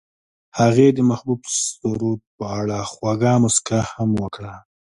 هغې د محبوب سرود په اړه خوږه موسکا هم وکړه.